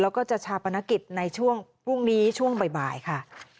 แล้วก็จะชาปนกิจในช่วงพรุ่งนี้ช่วงบ่ายค่ะ